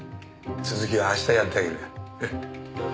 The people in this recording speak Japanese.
続きは明日やってあげるから。ね。